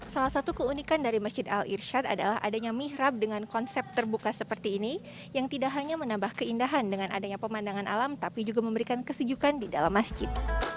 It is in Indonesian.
salah satu keunikan dari masjid al irshad adalah adanya mihrab dengan konsep terbuka seperti ini yang tidak hanya menambah keindahan dengan adanya pemandangan alam tapi juga memberikan kesejukan di dalam masjid